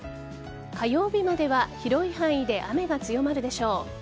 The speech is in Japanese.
火曜日までは広い範囲で雨が強まるでしょう。